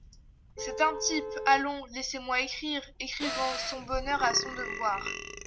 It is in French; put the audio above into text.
C’est un type ! allons ! laissez-moi écrire… écrivant "son bonheur à son devoir"…